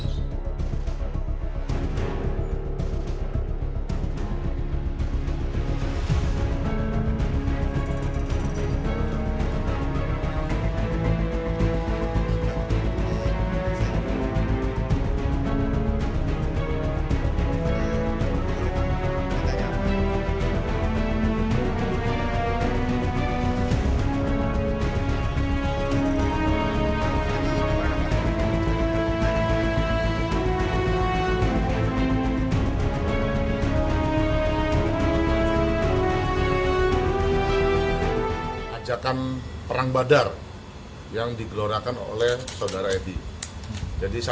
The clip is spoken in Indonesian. sampai jumpa di video selanjutnya